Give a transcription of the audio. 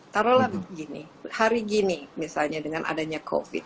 taruhlah begini hari gini misalnya dengan adanya covid